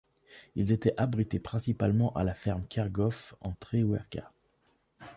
Ils étaient abrités principalement à la ferme Kergoff en Tréouergat.